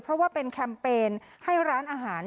เพราะว่าเป็นแคมเปญให้ร้านอาหาร